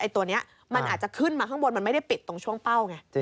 ตัวนี้มันอาจจะขึ้นมาข้างบนมันไม่ได้ปิดตรงช่วงเป้าไง